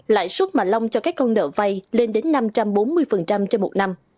lãi suất mà long cho các con nợ vay lên đến năm trăm bốn mươi trên một năm